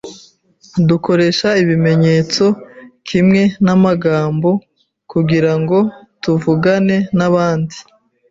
Dukoresha ibimenyetso kimwe namagambo kugirango tuvugane nabandi.